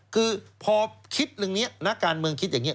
คือพอคิดเรื่องนี้นักการเมืองคิดอย่างนี้